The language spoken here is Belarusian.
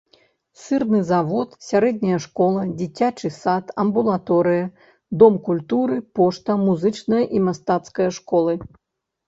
Сырны завод, сярэдняя школа, дзіцячы сад, амбулаторыя, дом культуры, пошта, музычная і мастацкая школы.